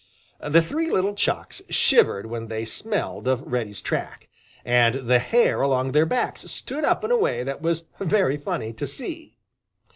The three little Chucks shivered when they smelled of Reddy's track, and the hair along their backs stood up in a way that was very funny to see.